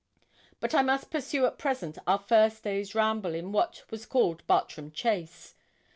But I must pursue at present our first day's ramble in what was called Bartram Chase.